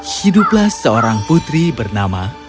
hiduplah seorang putri bernama